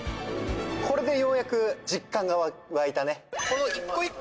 これでようやく実感がわいたね。